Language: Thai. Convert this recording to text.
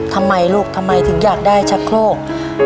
ทำไมลูกทำไมถึงอยากได้ชะโครก